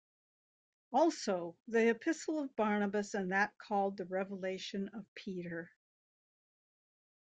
Also the Epistle of Barnabas and that called the Revelation of Peter.